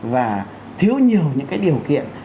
và thiếu nhiều những cái điều kiện